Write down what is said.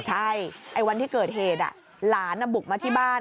ใช่ไอ้วันที่เกิดเหตุหลานบุกมาที่บ้าน